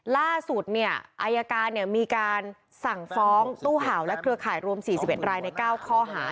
ล่าสุดเนี่ยอายการเนี่ยมีการสั่งฟ้องตู้เห่าและเครือข่ายรวม๔๑รายใน๙ข้อหา